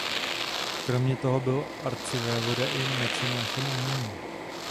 Kromě toho byl arcivévoda i mecenášem umění.